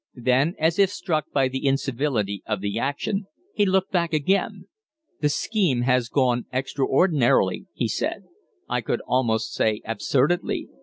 Then, as if struck by the incivility of the action, he looked back again. "The scheme has gone extraordinarily," he said. "I could almost say absurdly.